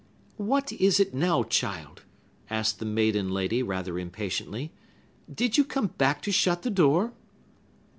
"What is it now, child?" asked the maiden lady rather impatiently; "did you come back to shut the door?"